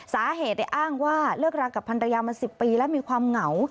สาเหตุอ้างว่าเลิกรากับพันรยามา๑๐ปีและมีความเหงา